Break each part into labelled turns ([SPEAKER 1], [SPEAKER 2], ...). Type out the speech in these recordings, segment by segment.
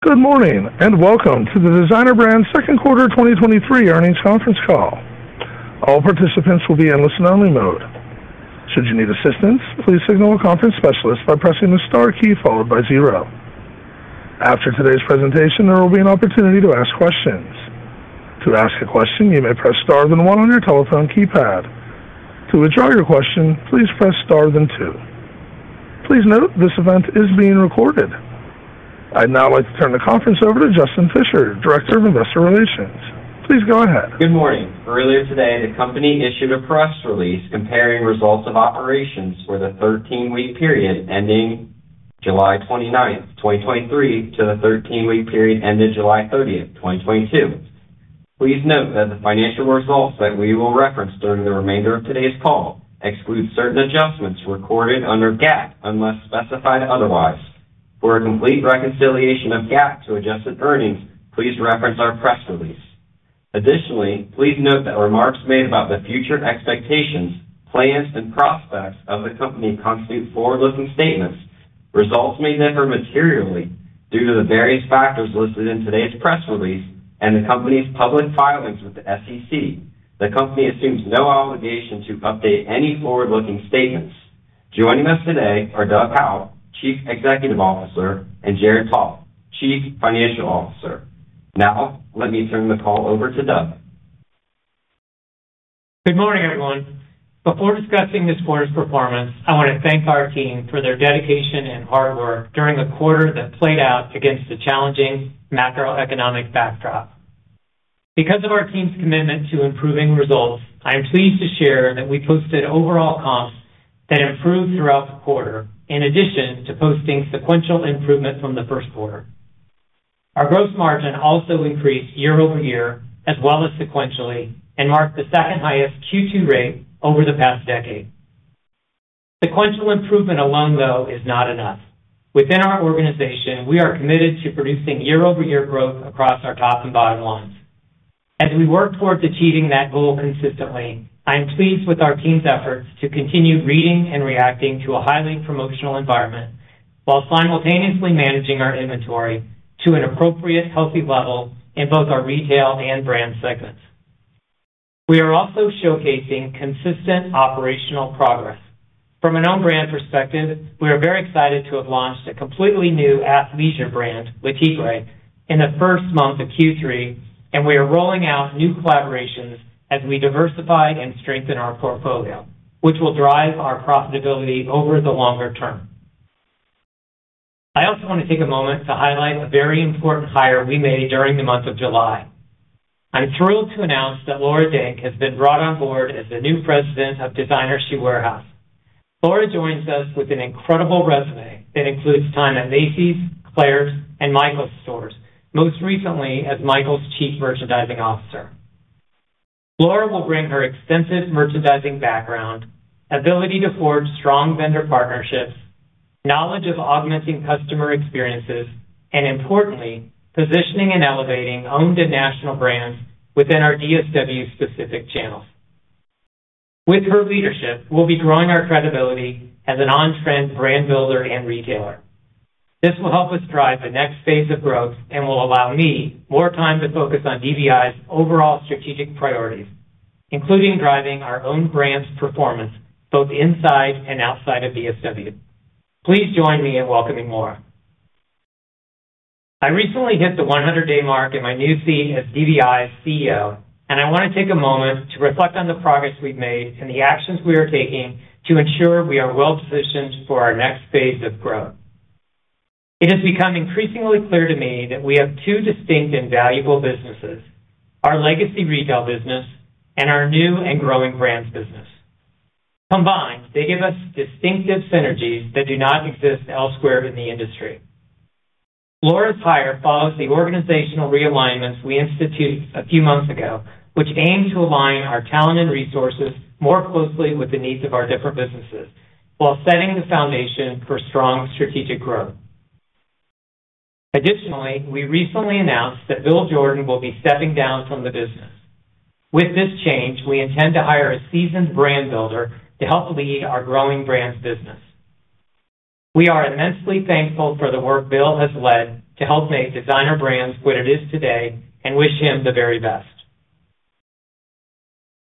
[SPEAKER 1] Good morning, and Welcome to the Designer Brands Second Quarter 2023 Earnings conference call. All participants will be in listen-only mode. Should you need assistance, please signal a conference specialist by pressing the star key followed by zero. After today's presentation, there will be an opportunity to ask questions. To ask a question, you may press star, then one on your telephone keypad. To withdraw your question, please press star, then two. Please note, this event is being recorded. I'd now like to turn the conference over to Justin Fischer, Director of Investor Relations. Please go ahead.
[SPEAKER 2] Good morning. Earlier today, the company issued a press release comparing results of operations for the 13-week period ending July 29, 2023, to the 13-week period ending July 30, 2022. Please note that the financial results that we will reference during the remainder of today's call exclude certain adjustments recorded under GAAP, unless specified otherwise. For a complete reconciliation of GAAP to adjusted earnings, please reference our press release. Additionally, please note that remarks made about the future expectations, plans, and prospects of the company constitute forward-looking statements. Results may differ materially due to the various factors listed in today's press release and the company's public filings with the SEC. The company assumes no obligation to update any forward-looking statements. Joining us today are Doug Howe, Chief Executive Officer, and Jared Poff, Chief Financial Officer. Now, let me turn the call over to Doug.
[SPEAKER 3] Good morning, everyone. Before discussing this quarter's performance, I want to thank our team for their dedication and hard work during a quarter that played out against a challenging macroeconomic backdrop. Because of our team's commitment to improving results, I am pleased to share that we posted overall comps that improved throughout the quarter, in addition to posting sequential improvement from the first quarter. Our gross margin also increased year-over-year, as well as sequentially, and marked the second highest Q2 rate over the past decade. Sequential improvement alone, though, is not enough. Within our organization, we are committed to producing year-over-year growth across our top and bottom lines. As we work toward achieving that goal consistently, I am pleased with our team's efforts to continue reading and reacting to a highly promotional environment while simultaneously managing our inventory to an appropriate, healthy level in both our retail and brand segments. We are also showcasing consistent operational progress. From an own brand perspective, we are very excited to have launched a completely new Athleisure brand, Le Tigre, in the first month of Q3, and we are rolling out new collaborations as we diversify and strengthen our portfolio, which will drive our profitability over the longer term. I also want to take a moment to highlight a very important hire we made during the month of July. I'm thrilled to announce that Laura Denk has been brought on board as the new president of Designer Shoe Warehouse. Laura joins us with an incredible resume that includes time at Macy's, Claire's, and Michaels stores, most recently as Michaels' Chief Merchandising Officer. Laura will bring her extensive merchandising background, ability to forge strong vendor partnerships, knowledge of augmenting customer experiences, and importantly, positioning and elevating owned and national brands within our DSW-specific channels. With her leadership, we'll be growing our credibility as an on-trend brand builder and retailer. This will help us drive the next phase of growth and will allow me more time to focus on DBI's overall strategic priorities, including driving our own brands' performance, both inside and outside of DSW. Please join me in welcoming Laura. I recently hit the 100-day mark in my new seat as DBI's CEO, and I want to take a moment to reflect on the progress we've made and the actions we are taking to ensure we are well positioned for our next phase of growth. It has become increasingly clear to me that we have two distinct and valuable businesses, our legacy retail business and our new and growing brands business. Combined, they give us distinctive synergies that do not exist elsewhere in the industry. Laura's hire follows the organizational realignments we instituted a few months ago, which aim to align our talent and resources more closely with the needs of our different businesses while setting the foundation for strong strategic growth. Additionally, we recently announced that Bill Jordan will be stepping down from the business. With this change, we intend to hire a seasoned brand builder to help lead our growing brands business. We are immensely thankful for the work Bill has led to help make Designer Brands what it is today, and wish him the very best.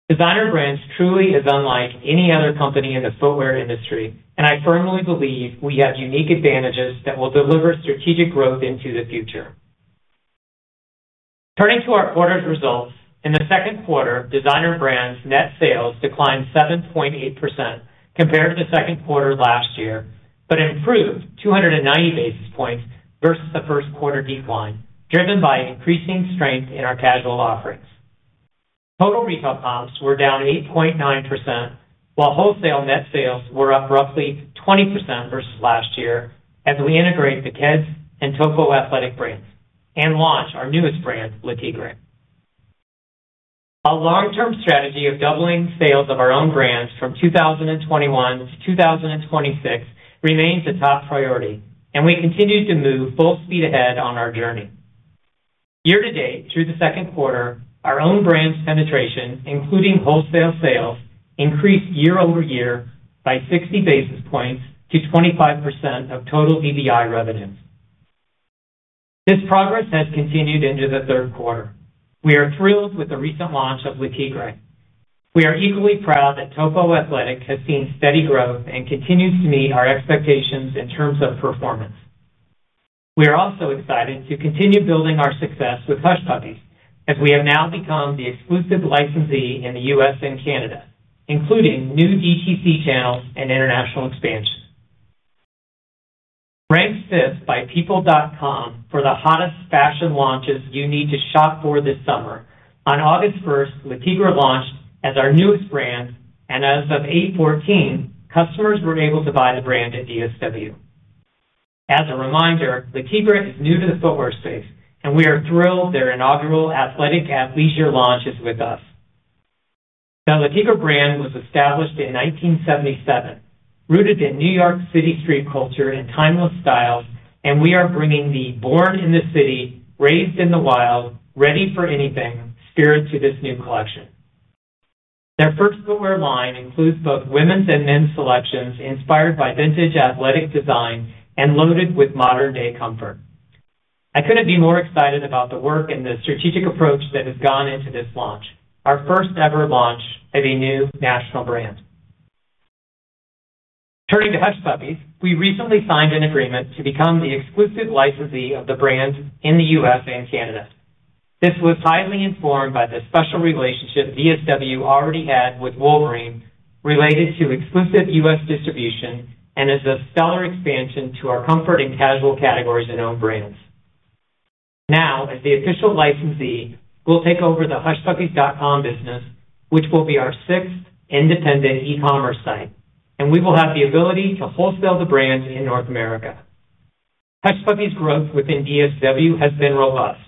[SPEAKER 3] Designer Brands truly is unlike any other company in the footwear industry, and I firmly believe we have unique advantages that will deliver strategic growth into the future. Turning to our quarter's results, in the second quarter, Designer Brands' net sales declined 7.8% compared to second quarter last year, but improved 290 basis points versus the first quarter decline, driven by increasing strength in our casual offerings. Total retail comps were down 8.9%, while wholesale net sales were up roughly 20% versus last year, as we integrate the Keds and Topo Athletic Brands, and launch our newest brand, Le Tigre. Our long-term strategy of doubling sales of our own brands from 2021 to 2026 remains a top priority, and we continue to move full speed ahead on our journey. Year-to-date, through the second quarter, our own brands penetration, including wholesale sales, increased year-over-year by 60 basis points to 25% of total DBI revenues. This progress has continued into the third quarter. We are thrilled with the recent launch of Le Tigre. We are equally proud that Topo Athletic has seen steady growth and continues to meet our expectations in terms of performance. We are also excited to continue building our success with Hush Puppies, as we have now become the exclusive licensee in the U.S. and Canada, including new DTC channels and international expansion. Ranked fifth by People.com for the hottest fashion launches you need to shop for this summer. On August first, Le Tigre launched as our newest brand, and as of August 14, customers were able to buy the brand at DSW. As a reminder, Le Tigre is new to the footwear space, and we are thrilled their inaugural athletic athleisure launch is with us. The Le Tigre brand was established in 1977, rooted in New York City street culture and timeless style, and we are bringing the born in the city, raised in the wild, ready for anything spirit to this new collection. Their first footwear line includes both women's and men's selections, inspired by vintage athletic design and loaded with modern-day comfort. I couldn't be more excited about the work and the strategic approach that has gone into this launch, our first-ever launch of a new national brand. Turning to Hush Puppies, we recently signed an agreement to become the exclusive licensee of the brand in the U.S. and Canada. This was highly informed by the special relationship DSW already had with Wolverine related to exclusive U.S. distribution and is a stellar expansion to our comfort and casual categories and own brands. Now, as the official licensee, we'll take over the hushpuppies.com business, which will be our sixth independent e-commerce site, and we will have the ability to wholesale the brand in North America. Hush Puppies' growth within DSW has been robust,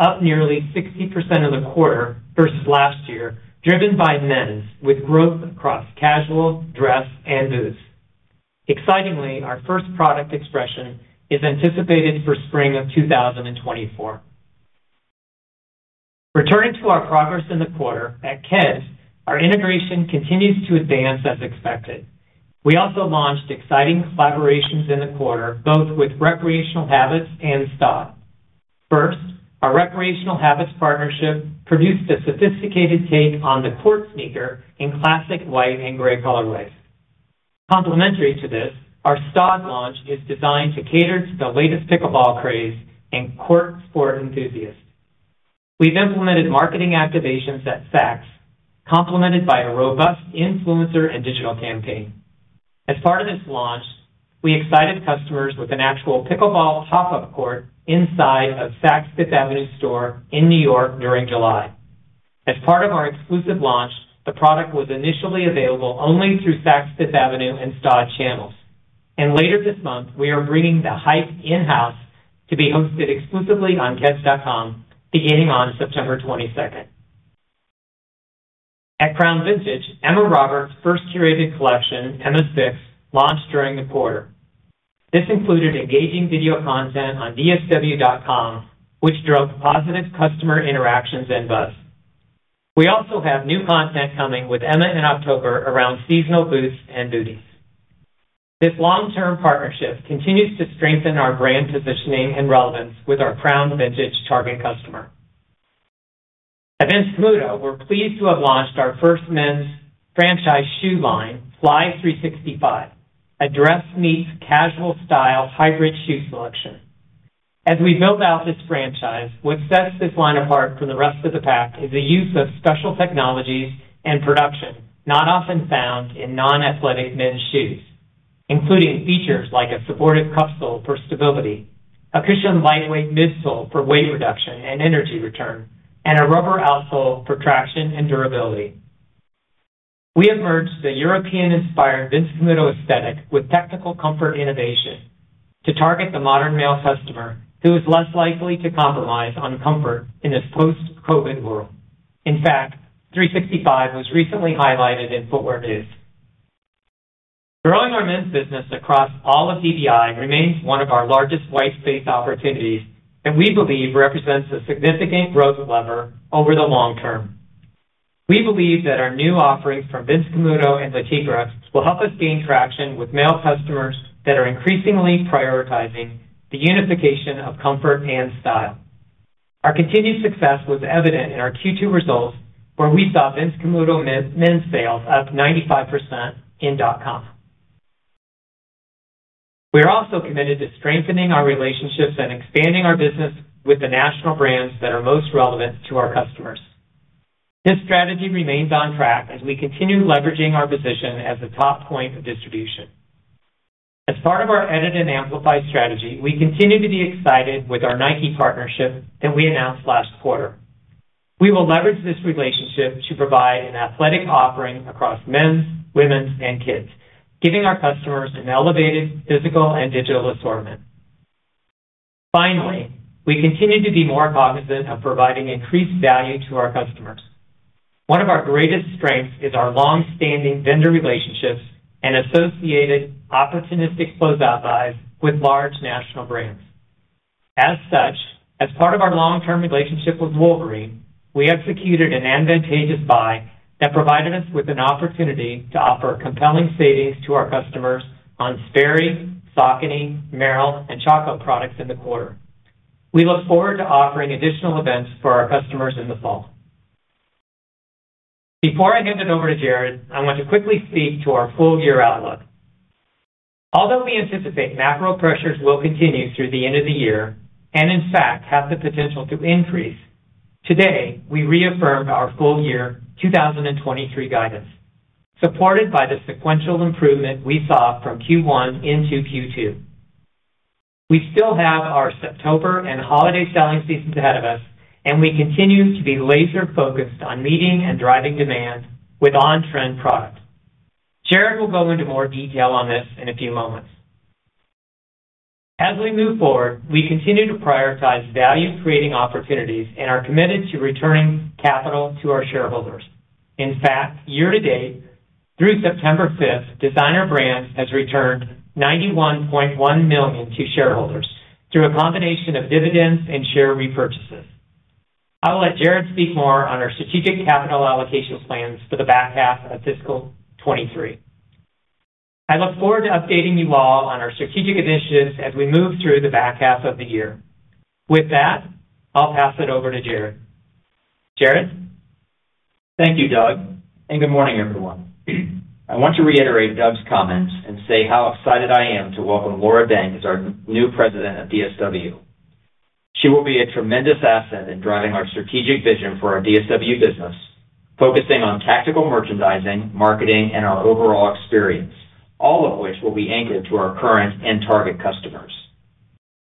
[SPEAKER 3] up nearly 60% of the quarter versus last year, driven by men's, with growth across casual, dress, and boots. Excitingly, our first product expression is anticipated for spring of 2024. Returning to our progress in the quarter, at Keds, our integration continues to advance as expected. We also launched exciting collaborations in the quarter, both with Recreational Habits and Staud. First, our Recreational Habits partnership produced a sophisticated take on the court sneaker in classic white and gray colorways. Complementary to this, our Staud launch is designed to cater to the latest pickleball craze and court sport enthusiasts. We've implemented marketing activations at Saks, complemented by a robust influencer and digital campaign. As part of this launch, we excited customers with an actual pickleball pop-up court inside of Saks Fifth Avenue store in New York during July. As part of our exclusive launch, the product was initially available only through Saks Fifth Avenue and Staud channels, and later this month, we are bringing the hype in-house to be hosted exclusively on keds.com beginning on September 22nd. At Crown Vintage, Emma Roberts' first curated collection, Emma 06, launched during the quarter. This included engaging video content on dsw.com, which drove positive customer interactions and buzz. We also have new content coming with Emma in October around seasonal boots and booties. This long-term partnership continues to strengthen our brand positioning and relevance with our Crown Vintage target customer. At Vince Camuto, we're pleased to have launched our first men's franchise shoe line, Fly 365, a dress-meets-casual style hybrid shoe selection. As we build out this franchise, what sets this line apart from the rest of the pack is the use of special technologies and production, not often found in non-athletic men's shoes, including features like a supportive cuff sole for stability, a cushion lightweight midsole for weight reduction and energy return, and a rubber outsole for traction and durability. We have merged the European-inspired Vince Camuto aesthetic with technical comfort innovation to target the modern male customer, who is less likely to compromise on comfort in this post-COVID world. In fact, 365 was recently highlighted in Footwear News. Growing our men's business across all of DBI remains one of our largest white space opportunities, and we believe represents a significant growth lever over the long term. We believe that our new offerings from Vince Camuto and Le Tigre will help us gain traction with male customers that are increasingly prioritizing the unification of comfort and style. Our continued success was evident in our Q2 results, where we saw Vince Camuto men's sales up 95% in dotcom. We are also committed to strengthening our relationships and expanding our business with the national brands that are most relevant to our customers. This strategy remains on track as we continue leveraging our position as a top point of distribution. As part of our Edit and Amplify strategy, we continue to be excited with our Nike partnership that we announced last quarter. We will leverage this relationship to provide an athletic offering across men's, women's, and kids, giving our customers an elevated physical and digital assortment. Finally, we continue to be more cognizant of providing increased value to our customers. One of our greatest strengths is our long-standing vendor relationships and associated opportunistic close-out buys with large national brands. As such, as part of our long-term relationship with Wolverine, we executed an advantageous buy that provided us with an opportunity to offer compelling savings to our customers on Sperry, Saucony, Merrell, and Chaco products in the quarter. We look forward to offering additional events for our customers in the fall. Before I hand it over to Jared, I want to quickly speak to our full year outlook. Although we anticipate macro pressures will continue through the end of the year, and in fact, have the potential to increase, today, we reaffirmed our full year 2023 guidance, supported by the sequential improvement we saw from Q1 into Q2. We still have our Septober and holiday selling seasons ahead of us, and we continue to be laser-focused on meeting and driving demand with on-trend product. Jared will go into more detail on this in a few moments. As we move forward, we continue to prioritize value-creating opportunities and are committed to returning capital to our shareholders. In fact, year-to-date, through September 5th, Designer Brands has returned $91.1 million to shareholders through a combination of dividends and share repurchases. I will let Jared speak more on our strategic capital allocation plans for the back half of fiscal 2023. I look forward to updating you all on our strategic initiatives as we move through the back half of the year. With that, I'll pass it over to Jared. Jared?
[SPEAKER 4] Thank you, Doug, and good morning, everyone. I want to reiterate Doug's comments and say how excited I am to welcome Laura Denk as our new President of DSW. She will be a tremendous asset in driving our strategic vision for our DSW business, focusing on tactical merchandising, marketing, and our overall experience, all of which will be anchored to our current and target customers.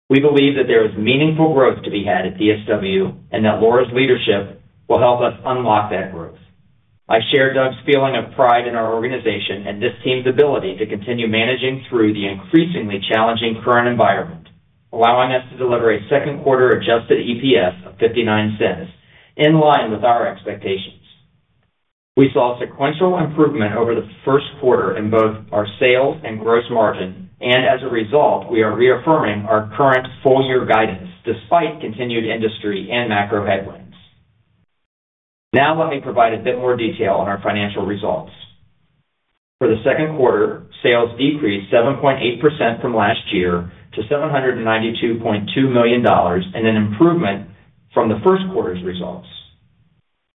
[SPEAKER 4] We believe that there is meaningful growth to be had at DSW and that Laura's leadership will help us unlock that growth. I share Doug's feeling of pride in our organization and this team's ability to continue managing through the increasingly challenging current environment, allowing us to deliver a second quarter adjusted EPS of $0.59, in line with our expectations. We saw sequential improvement over the first quarter in both our sales and gross margin, and as a result, we are reaffirming our current full year guidance despite continued industry and macro headwinds. Now let me provide a bit more detail on our financial results. For the second quarter, sales decreased 7.8% from last year to $792.2 million, and an improvement from the first quarter's results.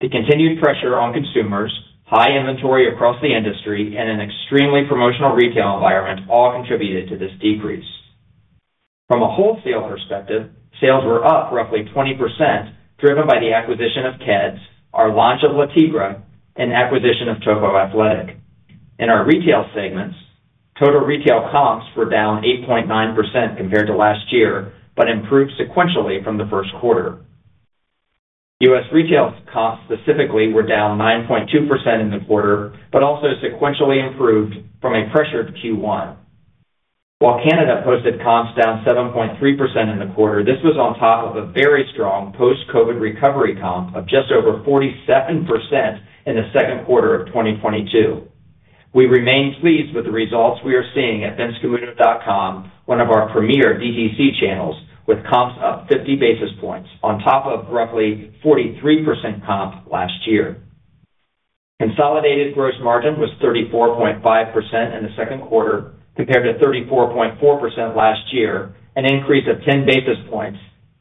[SPEAKER 4] The continued pressure on consumers, high inventory across the industry, and an extremely promotional retail environment all contributed to this decrease. From a wholesale perspective, sales were up roughly 20%, driven by the acquisition of Keds, our launch of Le Tigre, and acquisition of Topo Athletic. In our retail segments, total retail comps were down 8.9% compared to last year, but improved sequentially from the first quarter. U.S. retail comps specifically were down 9.2% in the quarter, but also sequentially improved from a pressured Q1. While Canada posted comps down 7.3% in the quarter, this was on top of a very strong post-COVID recovery comp of just over 47% in the second quarter of 2022. We remain pleased with the results we are seeing at vincecamuto.com, one of our premier DTC channels, with comps up 50 basis points on top of roughly 43% comp last year. Consolidated gross margin was 34.5% in the second quarter, compared to 34.4% last year, an increase of 10 basis points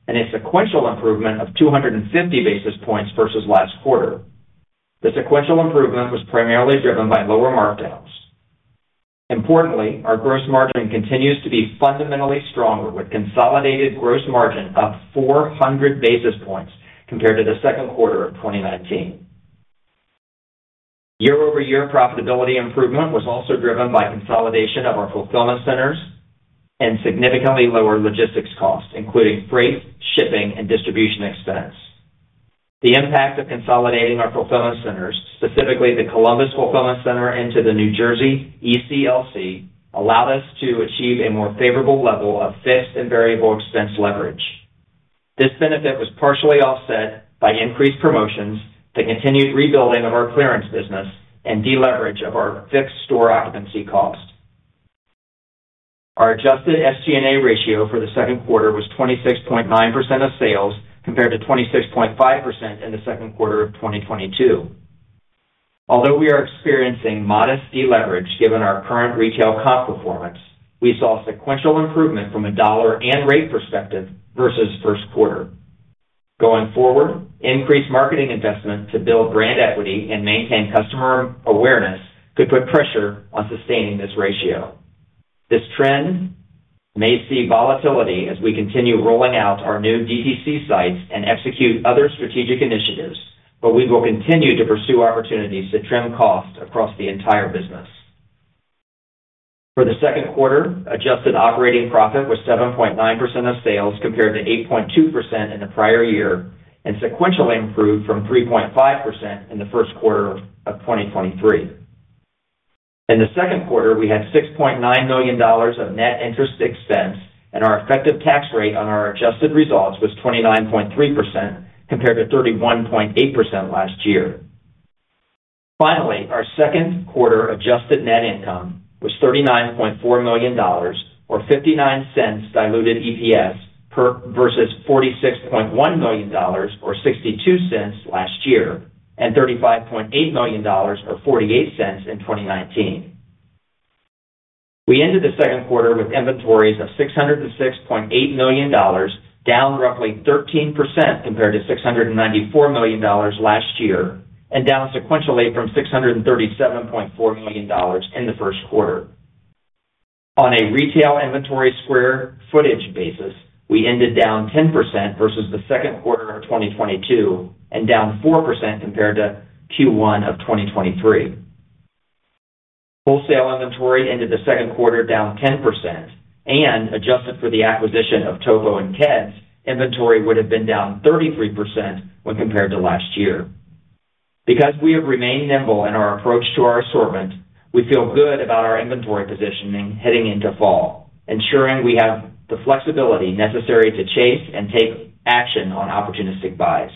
[SPEAKER 4] and a sequential improvement of 250 basis points versus last quarter. The sequential improvement was primarily driven by lower markdowns. Importantly, our Gross Margin continues to be fundamentally stronger, with consolidated Gross Margin up 400 basis points compared to the second quarter of 2019. Year-over-year profitability improvement was also driven by consolidation of our fulfillment centers and significantly lower logistics costs, including freight, shipping, and distribution expense. The impact of consolidating our fulfillment centers, specifically the Columbus fulfillment center into the New Jersey ECLC, allowed us to achieve a more favorable level of fixed and variable expense leverage. This benefit was partially offset by increased promotions, the continued rebuilding of our clearance business, and deleverage of our fixed store occupancy cost. Our Adjusted SG&A ratio for the second quarter was 26.9% of sales, compared to 26.5% in the second quarter of 2022. Although we are experiencing modest deleverage given our current retail comp performance, we saw sequential improvement from a dollar and rate perspective versus first quarter. Going forward, increased marketing investment to build brand equity and maintain customer awareness could put pressure on sustaining this ratio. This trend may see volatility as we continue rolling out our new DTC sites and execute other strategic initiatives, but we will continue to pursue opportunities to trim costs across the entire business. For the second quarter, adjusted operating profit was 7.9% of sales, compared to 8.2% in the prior year, and sequentially improved from 3.5% in the first quarter of 2023.... In the second quarter, we had $6.9 million of net interest expense, and our effective tax rate on our adjusted results was 29.3%, compared to 31.8% last year. Finally, our second quarter adjusted net income was $39.4 million, or $0.59 diluted EPS, versus $46.1 million or $0.62 last year, and $35.8 million or $0.48 in 2019. We ended the second quarter with inventories of $606.8 million, down roughly 13% compared to $694 million last year, and down sequentially from $637.4 million in the first quarter. On a retail inventory square footage basis, we ended down 10% versus the second quarter of 2022, and down 4% compared to Q1 of 2023. Wholesale inventory ended the second quarter down 10%, and adjusted for the acquisition of Topo and Keds, inventory would have been down 33% when compared to last year. Because we have remained nimble in our approach to our assortment, we feel good about our inventory positioning heading into fall, ensuring we have the flexibility necessary to chase and take action on opportunistic buys.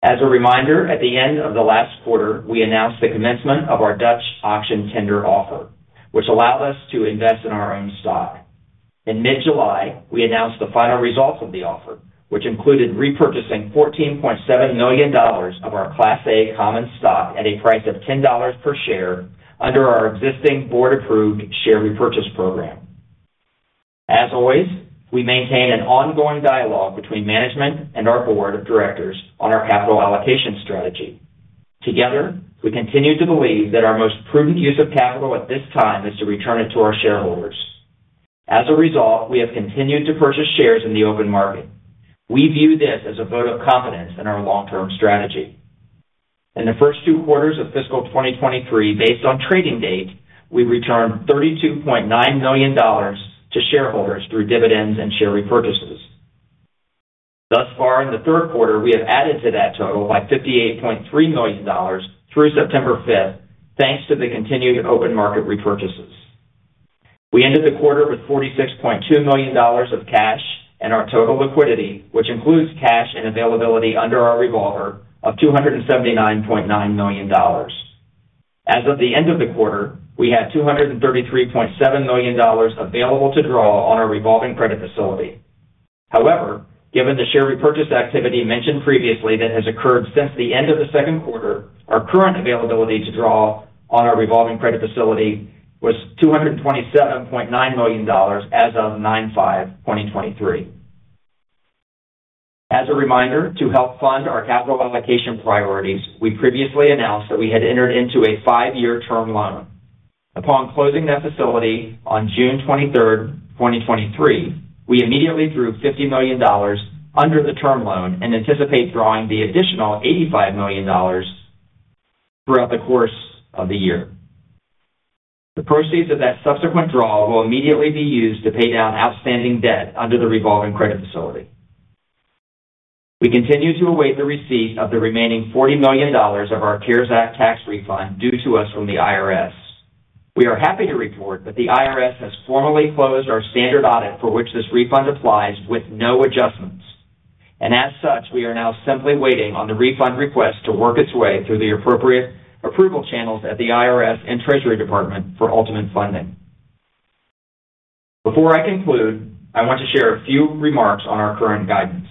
[SPEAKER 4] As a reminder, at the end of the last quarter, we announced the commencement of our Dutch auction tender offer, which allowed us to invest in our own stock. In mid-July, we announced the final results of the offer, which included repurchasing $14.7 million of our Class A common stock at a price of $10 per share under our existing board-approved share repurchase program. As always, we maintain an ongoing dialogue between management and our board of directors on our capital allocation strategy. Together, we continue to believe that our most prudent use of capital at this time is to return it to our shareholders. As a result, we have continued to purchase shares in the open market. We view this as a vote of confidence in our long-term strategy. In the first two quarters of fiscal 2023, based on trading date, we returned $32.9 million to shareholders through dividends and share repurchases. Thus far in the third quarter, we have added to that total by $58.3 million through September fifth, thanks to the continued open market repurchases. We ended the quarter with $46.2 million of cash, and our total liquidity, which includes cash and availability under our revolver, of $279.9 million. As of the end of the quarter, we had $233.7 million available to draw on our revolving credit facility. However, given the share repurchase activity mentioned previously that has occurred since the end of the second quarter, our current availability to draw on our revolving credit facility was $227.9 million as of 9/5/2023. As a reminder, to help fund our capital allocation priorities, we previously announced that we had entered into a five-year Term Loan. Upon closing that facility on June 23rd, 2023, we immediately drew $50 million under the Term Loan and anticipate drawing the additional $85 million throughout the course of the year. The proceeds of that subsequent draw will immediately be used to pay down outstanding debt under the revolving credit facility. We continue to await the receipt of the remaining $40 million of our CARES Act tax refund due to us from the IRS. We are happy to report that the IRS has formally closed our standard audit, for which this refund applies, with no adjustments. And as such, we are now simply waiting on the refund request to work its way through the appropriate approval channels at the IRS and Treasury Department for ultimate funding. Before I conclude, I want to share a few remarks on our current guidance.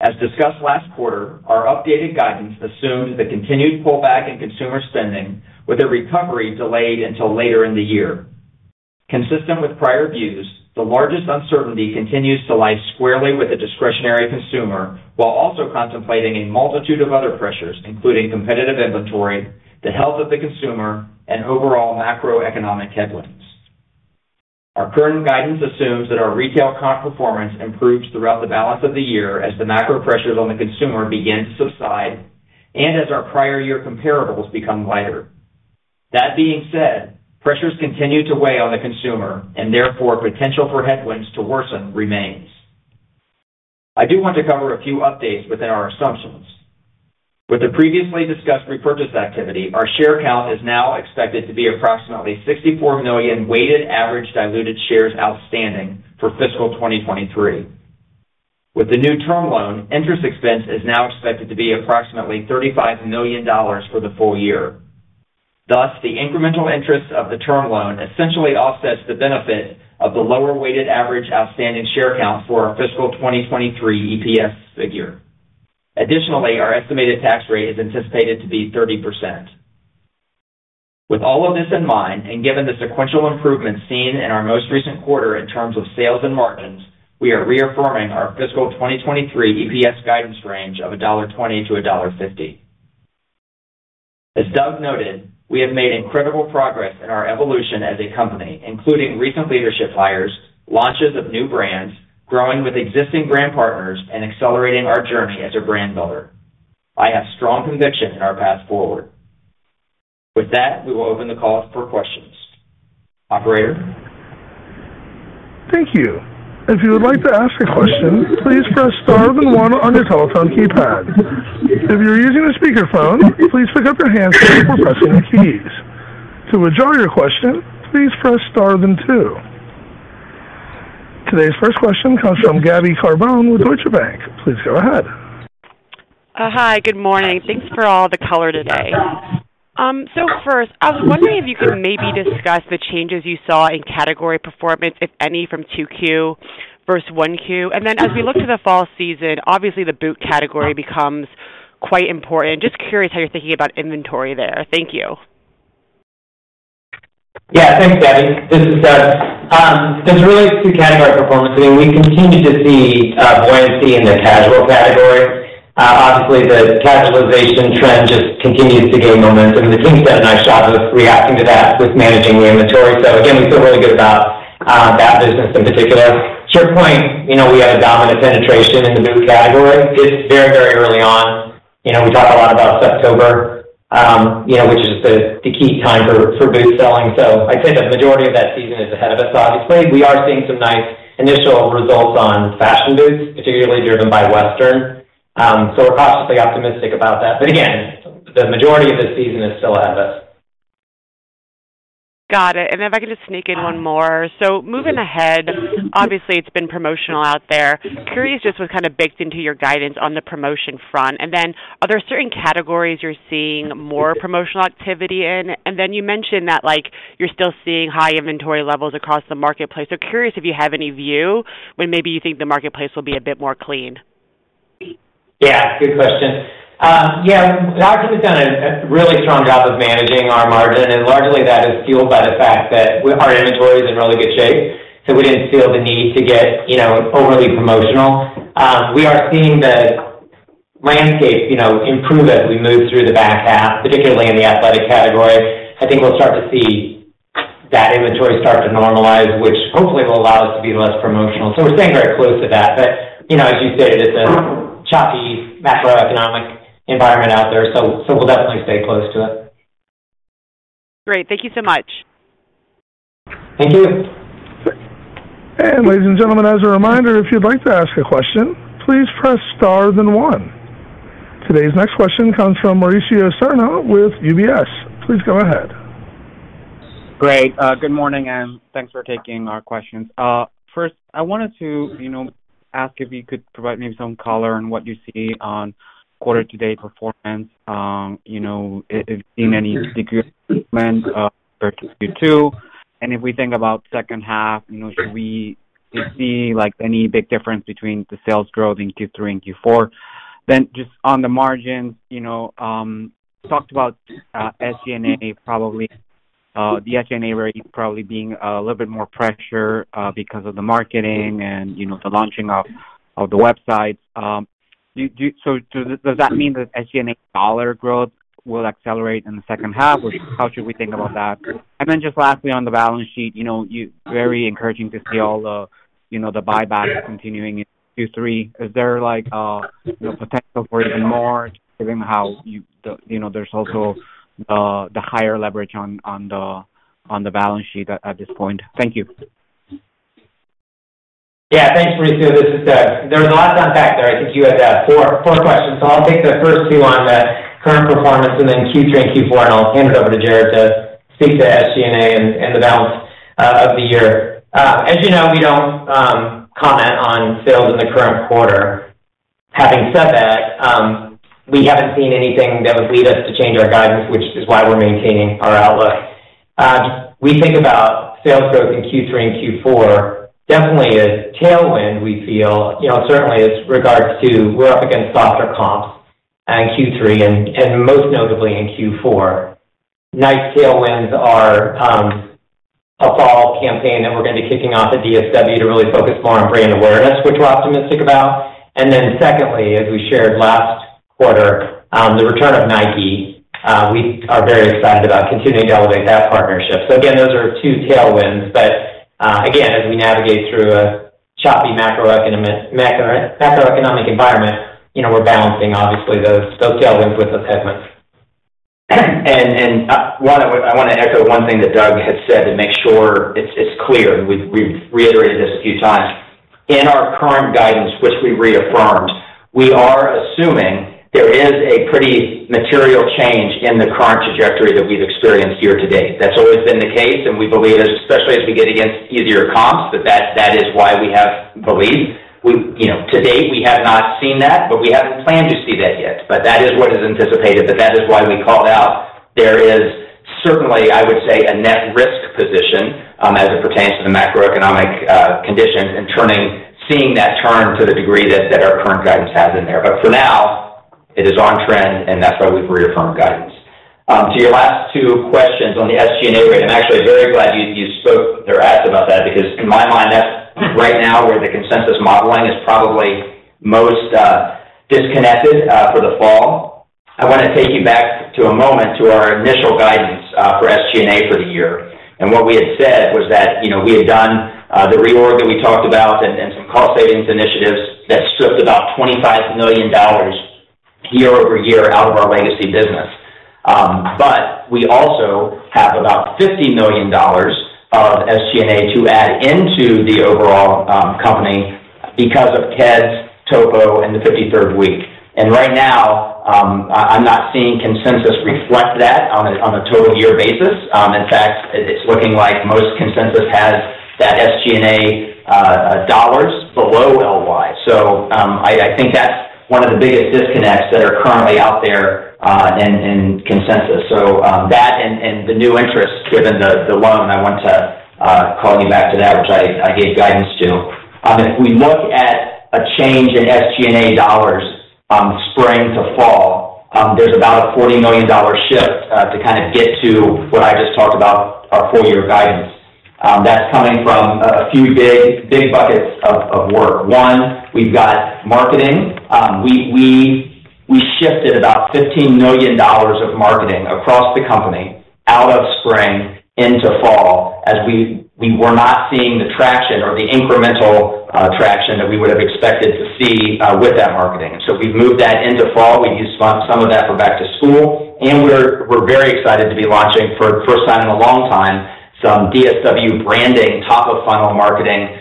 [SPEAKER 4] As discussed last quarter, our updated guidance assumes the continued pullback in consumer spending, with a recovery delayed until later in the year. Consistent with prior views, the largest uncertainty continues to lie squarely with the discretionary consumer, while also contemplating a multitude of other pressures, including competitive inventory, the health of the consumer, and overall macroeconomic headwinds. Our current guidance assumes that our retail comp performance improves throughout the balance of the year as the macro pressures on the consumer begin to subside and as our prior year comparables become lighter. That being said, pressures continue to weigh on the consumer, and therefore, potential for headwinds to worsen remains. I do want to cover a few updates within our assumptions. With the previously discussed repurchase activity, our share count is now expected to be approximately 64 million weighted average diluted shares outstanding for fiscal 2023. With the new term loan, interest expense is now expected to be approximately $35 million for the full year. Thus, the incremental interest of the term loan essentially offsets the benefit of the lower weighted average outstanding share count for our fiscal 2023 EPS figure. Additionally, our estimated tax rate is anticipated to be 30%. With all of this in mind, and given the sequential improvement seen in our most recent quarter in terms of sales and margins, we are reaffirming our fiscal 2023 EPS guidance range of $1.20-$1.50. As Doug noted, we have made incredible progress in our evolution as a company, including recent leadership hires, launches of new brands, growing with existing brand partners, and accelerating our journey as a brand builder. I have strong conviction in our path forward. With that, we will open the call for questions. Operator?
[SPEAKER 1] Thank you. If you would like to ask a question, please press star then one on your telephone keypad. If you're using a speakerphone, please pick up your handset before pressing the keys. To withdraw your question, please press star then two. Today's first question comes from Gabby Carbone with Deutsche Bank. Please go ahead.
[SPEAKER 5] Hi, good morning. Thanks for all the color today. So first, I was wondering if you could maybe discuss the changes you saw in category performance, if any, from 2Q versus 1Q. Then as we look to the fall season, obviously the boot category becomes quite important. Just curious how you're thinking about inventory there. Thank you.
[SPEAKER 3] Yeah, thanks, Gabby. This is Doug. There's really two category performance. We continue to see buoyancy in the casual category. Obviously, the casualization trend just continues to gain momentum, and the team's done a nice job of reacting to that with managing the inventory. So again, we feel really good about that business in particular. SurePoint, you know, we have a dominant penetration in the boot category. It's very, very early on. You know, we talk a lot about September, which is the key time for boot selling. So I'd say the majority of that season is ahead of us. Obviously, we are seeing some nice initial results on fashion boots, particularly driven by Western. So we're cautiously optimistic about that. But again, the majority of the season is still ahead of us.
[SPEAKER 5] Got it. If I could just sneak in one more. Moving ahead, obviously, it's been promotional out there. Curious, just what's kind of baked into your guidance on the promotion front? Then are there certain categories you're seeing more promotional activity in? Then you mentioned that, like, you're still seeing high inventory levels across the marketplace. Curious if you have any view when maybe you think the marketplace will be a bit more clean?
[SPEAKER 3] Yeah, good question. Yeah, we've actually done a really strong job of managing our margin, and largely that is fueled by the fact that our inventory is in really good shape, so we didn't feel the need to get, you know, overly promotional. We are seeing the landscape, you know, improve as we move through the back half, particularly in the athletic category. I think we'll start to see that inventory start to normalize, which hopefully will allow us to be less promotional. So we're staying very close to that. But, you know, as you stated, it's a choppy macroeconomic environment out there, so we'll definitely stay close to it.
[SPEAKER 5] Great. Thank you so much.
[SPEAKER 3] Thank you.
[SPEAKER 1] Ladies and gentlemen, as a reminder, if you'd like to ask a question, please press star, then one. Today's next question comes from Mauricio Serna with UBS. Please go ahead.
[SPEAKER 6] Great. Good morning, and thanks for taking our questions. First, I wanted to, you know, ask if you could provide me some color on what you see on quarter-to-date performance, you know, if seen any degree versus Q2. And if we think about second half, you know, should we see, like, any big difference between the sales growth in Q3 and Q4? Then just on the margin, you know, talked about SG&A, probably the SG&A rate probably being a little bit more pressure because of the marketing and, you know, the launching of the website. So does that mean that SG&A dollar growth will accelerate in the second half, or how should we think about that? And then just lastly, on the balance sheet, you know, it's very encouraging to see all the, you know, the buyback continuing in Q3. Is there like potential for even more, given how, you know, there's also the higher leverage on the balance sheet at this point? Thank you.
[SPEAKER 3] Yeah. Thanks, Mauricio. This is Doug. There was a lot to unpack there. I think you had four, four questions. So I'll take the first two on the current performance and then Q3 and Q4, and I'll hand it over to Jared to speak to SG&A and the balance of the year. As you know, we don't comment on sales in the current quarter. Having said that, we haven't seen anything that would lead us to change our guidance, which is why we're maintaining our outlook. We think about sales growth in Q3 and Q4 definitely a tailwind, we feel. You know, certainly as regards to we're up against softer comps in Q3 and most notably in Q4. Nice tailwinds are a fall campaign that we're going to be kicking off at DSW to really focus more on brand awareness, which we're optimistic about. Then secondly, as we shared last quarter, the return of Nike, we are very excited about continuing to elevate that partnership. So again, those are two tailwinds, but again, as we navigate through a choppy macroeconomic environment, you know, we're balancing obviously those, those tailwinds with those headwinds.
[SPEAKER 4] I want to echo one thing that Doug had said to make sure it's clear, and we've reiterated this a few times. In our current guidance, which we reaffirmed, we are assuming there is a pretty material change in the current trajectory that we've experienced year to date. That's always been the case, and we believe, especially as we get against easier comps, that is why we have believed. We, you know, to date, we have not seen that, but we haven't planned to see that yet. But that is what is anticipated, but that is why we called out there is certainly, I would say, a net risk position, as it pertains to the macroeconomic conditions and turning, seeing that turn to the degree that our current guidance has in there. But for now, it is on trend, and that's why we've reaffirmed guidance. To your last two questions on the SG&A rate, I'm actually very glad you spoke or asked about that, because in my mind, that's right now where the consensus modeling is probably most disconnected for the fall. I want to take you back a moment to our initial guidance for SG&A for the year. And what we had said was that, you know, we had done the reorg that we talked about that stripped about $25 million year-over-year out of our legacy business. But we also have about $50 million of SG&A to add into the overall company because of Keds, Topo, and the 53rd week. And right now, I'm not seeing consensus reflect that on a total year basis. In fact, it's looking like most consensus has that SG&A dollars below LY. So, I think that's one of the biggest disconnects that are currently out there in consensus. So, that and the new interest, given the loan, I want to call you back to that, which I gave guidance to. If we look at a change in SG&A dollars, spring to fall, there's about a $40 million shift to kind of get to what I just talked about, our full year guidance. That's coming from a few big buckets of work. One, we've got marketing. We shifted about $15 million of marketing across the company out of spring into fall, as we were not seeing the traction or the incremental traction that we would have expected to see with that marketing. So we moved that into fall. We used some of that for back to school, and we're very excited to be launching for the first time in a long time some DSW branding, top-of-funnel marketing,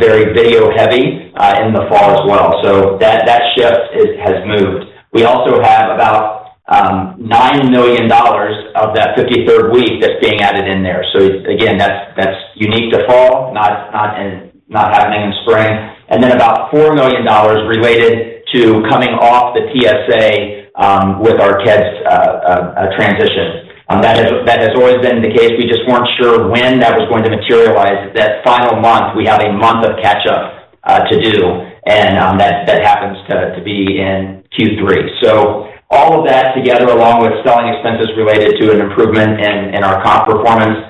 [SPEAKER 4] very video-heavy, in the fall as well. So that shift has moved. We also have about $9 million of that 53rd week that's being added in there. So again, that's unique to fall, not in, not happening in spring. And then about $4 million related to coming off the TSA with our Keds transition. That has always been the case. We just weren't sure when that was going to materialize. That final month, we have a month of catch-up to do, and that happens to be in Q3. So all of that together, along with selling expenses related to an improvement in our comp performance,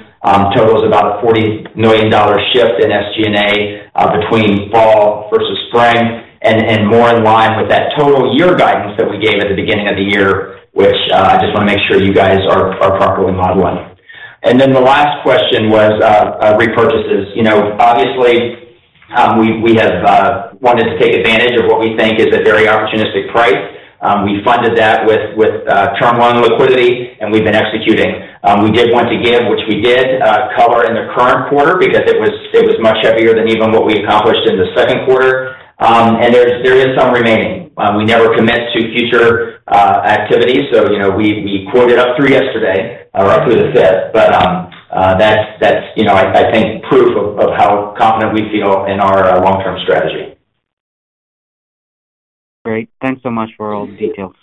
[SPEAKER 4] totals about a $40 million shift in SG&A between fall versus spring, and more in line with that total year guidance that we gave at the beginning of the year, which I just wanna make sure you guys are properly modeling. Then the last question was repurchases. You know, obviously, we have wanted to take advantage of what we think is a very opportunistic price. We funded that with term loan liquidity, and we've been executing. We did want to give, which we did, color in the current quarter because it was, it was much heavier than even what we accomplished in the second quarter. And there's, there is some remaining. We never commit to future activities, so, you know, we quoted up through yesterday or up through the fifth. But that's, you know, I think proof of how confident we feel in our long-term strategy.
[SPEAKER 6] Great. Thanks so much for all the details.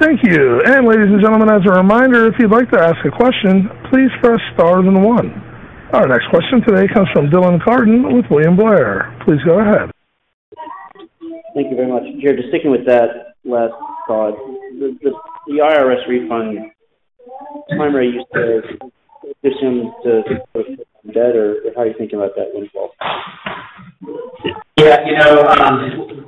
[SPEAKER 1] Thank you. Ladies and gentlemen, as a reminder, if you'd like to ask a question, please press star then one. Our next question today comes from Dylan Carden with William Blair. Please go ahead.
[SPEAKER 7] Thank you very much. Jared, just sticking with that last thought, the IRS refund, primary use to assume the debt, or how are you thinking about that windfall?
[SPEAKER 4] Yeah, you know,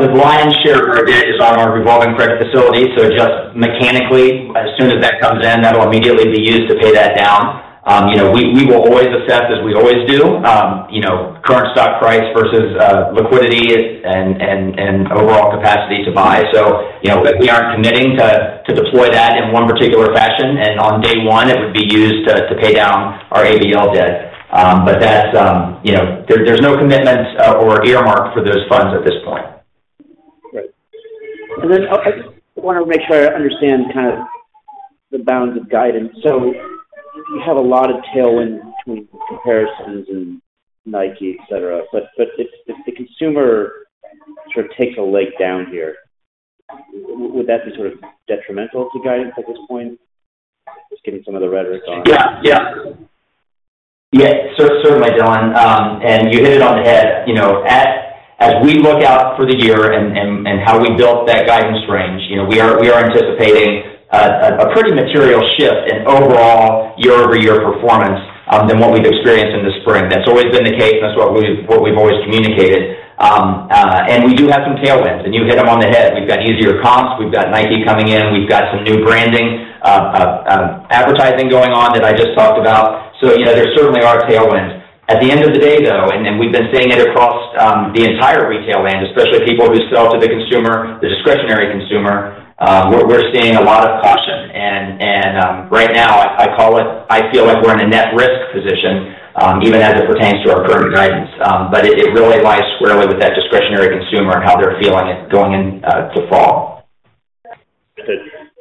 [SPEAKER 4] the lion's share of it is on our revolving credit facility. So just mechanically, as soon as that comes in, that'll immediately be used to pay that down. You know, we will always assess, as we always do, you know, current stock price versus liquidity and overall capacity to buy. So, you know, we aren't committing to deploy that in one particular fashion, and on day one, it would be used to pay down our ABL debt. But that's, you know... There's no commitments or earmark for those funds at this point.
[SPEAKER 7] Great. And then I wanna make sure I understand kind of the bounds of guidance. So you have a lot of tailwind between comparisons and Nike, et cetera. But if the consumer sort of takes a leg down here, would that be sort of detrimental to guidance at this point? Just getting some of the rhetoric on-
[SPEAKER 4] Yeah. Yeah. Yeah. Sure, sure, Hi, Dylan, and you hit it on the head. You know, as we look out for the year and how we built that guidance range, you know, we are anticipating a pretty material shift in overall year-over-year performance than what we've experienced in the spring. That's always been the case, and that's what we've always communicated. And we do have some tailwinds, and you hit them on the head. We've got easier comps, we've got Nike coming in, we've got some new branding, advertising going on that I just talked about. So, you know, there certainly are tailwinds. At the end of the day, though, we've been seeing it across the entire retail land, especially people who sell to the consumer, the discretionary consumer, we're seeing a lot of caution. Right now, I call it, I feel like we're in a net risk position, even as it pertains to our current guidance. But it really lies squarely with that discretionary consumer and how they're feeling it going in to fall.
[SPEAKER 7] Good.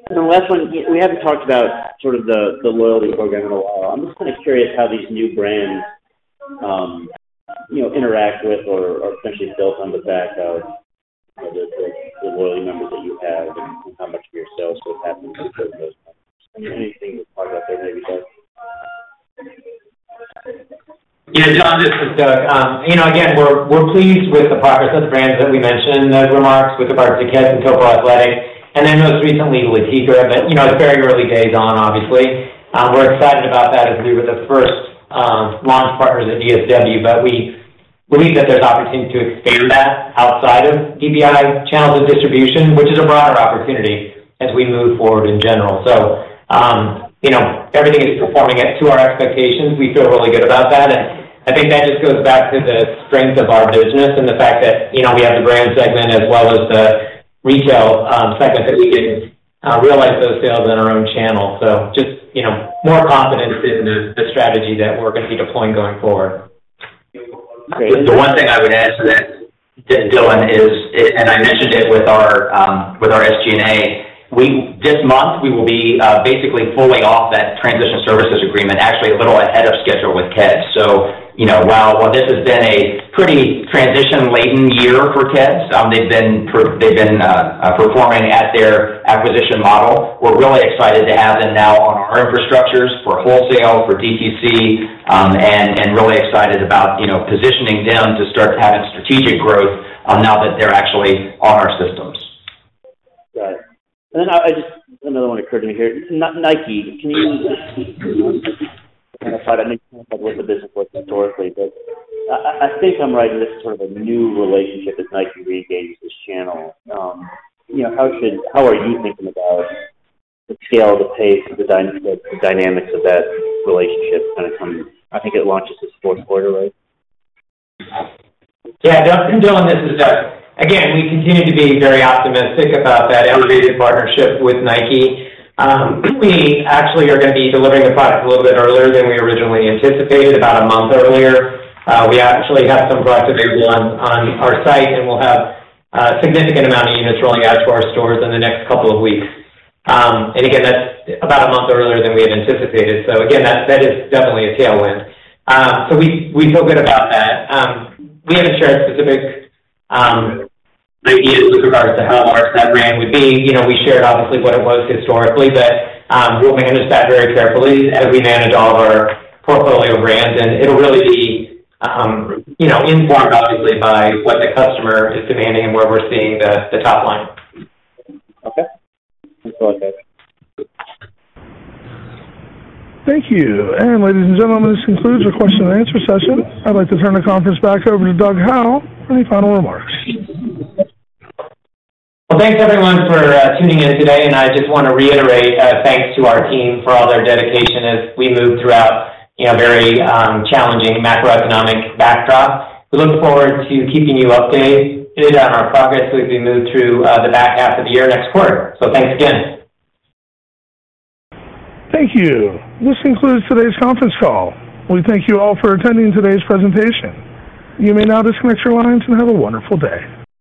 [SPEAKER 7] And the last one, we haven't talked about sort of the, the loyalty program at all. I'm just kind of curious how these new brands, you know, interact with or, or potentially built on the back of, you know, the, the, the loyalty members that you have and how much of your sales would happen to those? Anything to talk about that, maybe, Doug?
[SPEAKER 3] Yeah, Dylan, this is Doug. You know, again, we're, we're pleased with the progress of the brands that we mentioned in the remarks with the partners of Keds and Topo Athletic, and then most recently, Le Tigre. But, you know, it's very early days on, obviously. We're excited about that as we were the first launch partners at DSW, but we believe that there's opportunity to expand that outside of DBI channels of distribution, which is a broader opportunity as we move forward in general. So, you know, everything is performing at, to our expectations. We feel really good about that, and I think that just goes back to the strength of our business and the fact that, you know, we have the brand segment as well as. The retail, segment that we can, realize those sales in our own channel. So just, you know, more confidence in the, the strategy that we're going to be deploying going forward. The one thing I would add to that, Dylan, is, and I mentioned it with our SG&A. We. This month, we will be basically fully off that transition services agreement, actually a little ahead of schedule with Keds. So, you know, while this has been a pretty transition-laden year for Keds, they've been performing at their acquisition model. We're really excited to have them now on our infrastructures for wholesale, for DTC, and really excited about, you know, positioning them to start having strategic growth, now that they're actually on our systems.
[SPEAKER 7] Got it. And then I just, another one occurred to me here. Nike, can you—I think what the business was historically, but I think I'm right, this is sort of a new relationship as Nike regains this channel. You know, how should—how are you thinking about the scale, the pace, and the dynamics of that relationship kind of coming? I think it launches this fourth quarter, right?
[SPEAKER 3] Yeah, Dylan, this is Doug. Again, we continue to be very optimistic about that elevated partnership with Nike. We actually are gonna be delivering the product a little bit earlier than we originally anticipated, about a month earlier. We actually have some product available on our site, and we'll have a significant amount of units rolling out to our stores in the next couple of weeks. And again, that's about a month earlier than we had anticipated. So again, that is definitely a tailwind. So we feel good about that. We haven't shared specific ideas with regards to how large that brand would be. You know, we shared, obviously, what it was historically, but we'll manage that very carefully as we manage all of our portfolio of brands. It'll really be, you know, informed, obviously, by what the customer is demanding and where we're seeing the top line.
[SPEAKER 7] Okay. Thank you.
[SPEAKER 1] Thank you. Ladies and gentlemen, this concludes our question and answer session. I'd like to turn the conference back over to Doug Howe for any final remarks.
[SPEAKER 3] Well, thanks, everyone, for tuning in today, and I just want to reiterate, thanks to our team for all their dedication as we move throughout, you know, a very, challenging macroeconomic backdrop. We look forward to keeping you updated on our progress as we move through, the back half of the year, next quarter. So thanks again.
[SPEAKER 1] Thank you. This concludes today's conference call. We thank you all for attending today's presentation. You may now disconnect your lines and have a wonderful day.